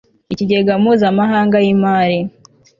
ikigega mpuzamahanga yi mari